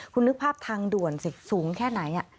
คุณนึกภาพทางด่วนสิสูงแค่ไหน